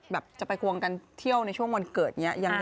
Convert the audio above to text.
แบบจะไปควงกันเที่ยวในช่วงวันเกิดอย่างนี้